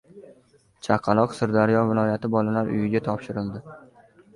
Chaqaloq Sirdaryo viloyati “Bolalar uyi”ga topshirildi.